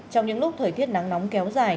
trong những lúc thời tiết nắng nóng kéo dài